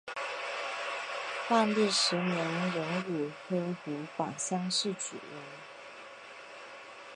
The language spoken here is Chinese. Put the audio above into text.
万历十年壬午科湖广乡试举人。